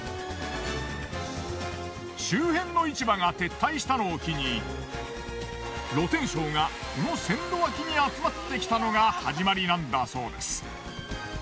周辺の市場が撤退したのを機に露天商がこの線路わきに集まってきたのが始まりなんだそうです。